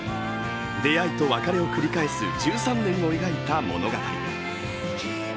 出会いと別れを繰り返す１３年を描いた物語。